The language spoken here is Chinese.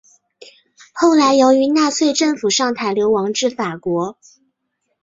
后来由于纳粹政府上台流亡至法国。